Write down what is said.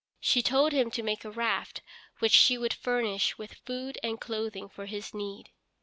She told him to make a raft which she would furnish with food and clothing for his need.